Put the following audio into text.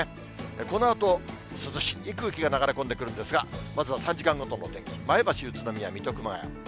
このあと、涼しい空気が流れ込んでくるんですが、まずは３時間ごとの天気、前橋、宇都宮、水戸、熊谷。